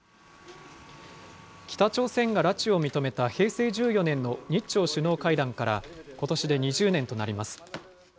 北朝鮮が拉致を認めた平成１４年の日朝首脳会談からことしで２０年となります。